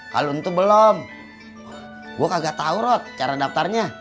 hal ntuh belum gue kagak tau rot cara daftarnya